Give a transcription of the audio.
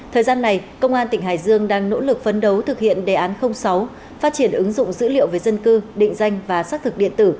thời gian này công an tỉnh hải dương đang nỗ lực phấn đấu thực hiện đề án sáu phát triển ứng dụng dữ liệu về dân cư định danh và xác thực điện tử